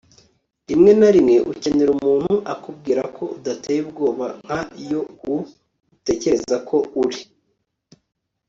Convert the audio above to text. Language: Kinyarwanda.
rimwe na rimwe ukenera umuntu akubwira ko udateye ubwoba nka yo u utekereza ko uri